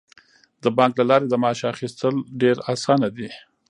د بانک له لارې د معاش اخیستل ډیر اسانه دي.